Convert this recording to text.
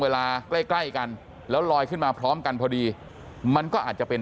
เวลาใกล้ใกล้กันแล้วลอยขึ้นมาพร้อมกันพอดีมันก็อาจจะเป็น